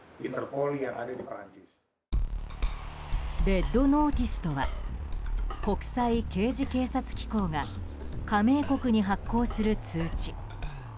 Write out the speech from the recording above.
レッドノーティスとは国際刑事警察機構が加盟国に発行する通知。